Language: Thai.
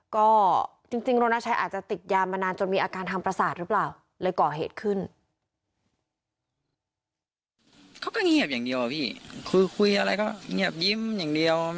ก็จริงโรนาชัยอาจจะติดยามานานจนมีอาการทางประสาทหรือเปล่าเลยก่อเหตุขึ้น